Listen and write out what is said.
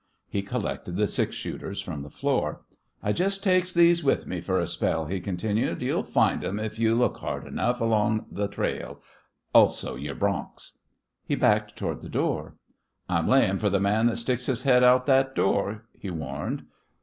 He collected the six shooters from the floor. "I jest takes these with me for a spell," he continued. "You'll find them, if you look hard enough, along on th' trail also yore broncs." He backed toward the door. "I'm layin' fer th' man that sticks his head out that door," he warned.